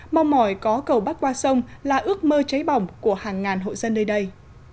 mong mỏi có cầu bắt qua sông là ước mơ cháy bỏng của hàng ngàn hội dân nơi đây